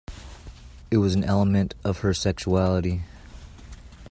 It was an element of her sexuality.